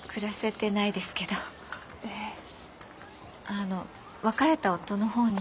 あの別れた夫の方に。